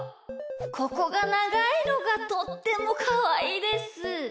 ここがながいのがとってもかわいいです。